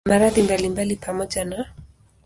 Kuna maradhi mbalimbali pamoja na